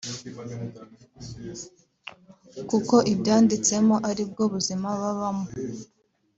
kuko ibyanditsemo ari bwo buzima babamo